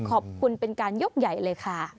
ขอบคุณเป็นการยกใหญ่เลยค่ะ